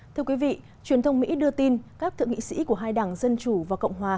thưa quý vị truyền thông mỹ đưa tin các thượng nghị sĩ của hai đảng dân chủ và cộng hòa